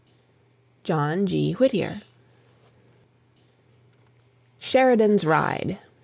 JOHN G. WHITTIER. SHERIDAN'S RIDE.